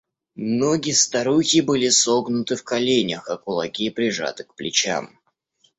Ноги старухи были согнуты в коленях, а кулаки прижаты к плечам.